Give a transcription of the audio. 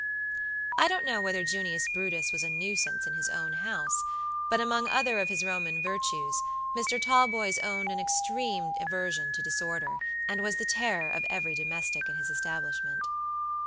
I don't know whether Junius Brutus was a nuisance in his own house, but among other of his Roman virtues, Mr. Talboys owned an extreme aversion to disorder, and was the terror of every domestic in his establishment.